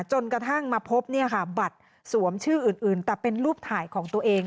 จนกระทั่งมาพบบัตรสวมชื่ออื่นแต่เป็นรูปถ่ายของตัวเอง